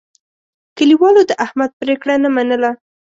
کلیوالو د احمد پرېکړه نه منله.